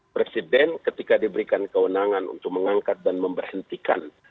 presiden ketika diberikan kewenangan untuk mengangkat dan memberhentikan